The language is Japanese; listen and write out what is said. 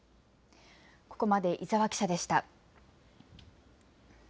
ここまで伊沢記者でした。